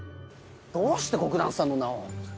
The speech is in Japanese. どうして黒壇さんの名を？